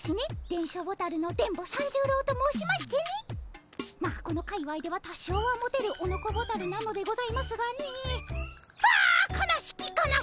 電書ボタルの電ボ三十郎と申しましてねまあこの界わいでは多少はモテるオノコボタルなのでございますがねああ悲しきかな